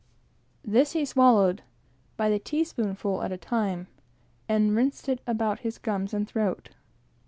This he swallowed, by the tea spoonful at a time, and rinsed it about his gums and throat.